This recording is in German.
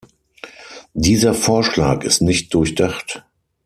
Dieser Vorschlag ist nicht durchdacht.